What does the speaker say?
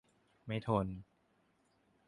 ไม่ทน